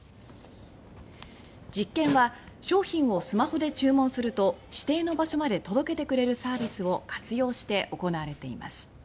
実験は商品をスマホで注文すると指定の場所まで届けてくれるサービスを活用して行われています。